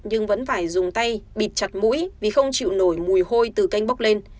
nhưng vẫn phải dùng tay bịt chặt mũi vì không chịu nổi mùi hôi từ canh bốc lên